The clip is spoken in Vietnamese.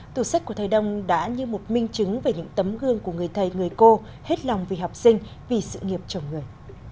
tủ sách của thầy đông đã như một minh chứng về những tấm gương của người thầy người cô hết lòng vì học sinh vì sự nghiệp chồng người